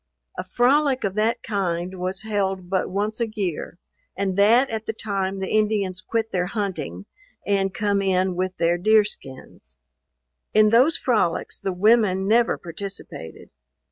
A frolic of that kind was held but once a year, and that at the time the Indians quit their hunting, and come in with their deer skins. In those frolics the women never participated.